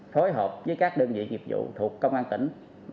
thối hợp với các đơn vị dịch vụ thuộc công an tỉnh